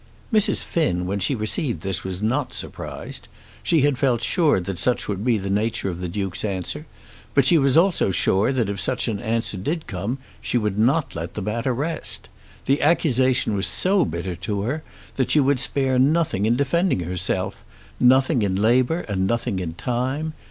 Mrs. Finn when she received this was not surprised. She had felt sure that such would be the nature of the Duke's answer; but she was also sure that if such an answer did come she would not let the matter rest. The accusation was so bitter to her that she would spare nothing in defending herself, nothing in labour and nothing in time.